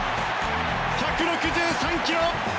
１６３キロ！